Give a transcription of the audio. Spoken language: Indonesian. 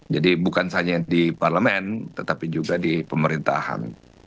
jadi bukan hanya di parlemen tetapi juga di pemerintahan